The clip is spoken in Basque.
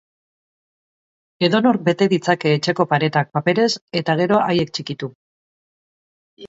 Edonork bete ditzake etxeko paretak paperez, eta gero haiek txikitu.